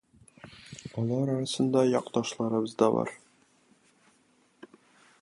Алар арасында якташларыбыз да бар.